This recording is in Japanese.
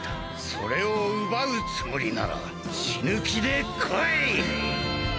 「それを奪うつもりなら死ぬ気で来い！」